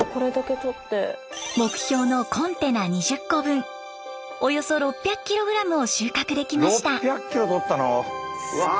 目標のコンテナ２０個分およそ６００キログラムを収穫できました。